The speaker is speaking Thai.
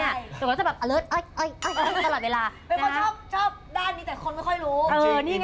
อิ่มไปทำบูรณ์ตลอด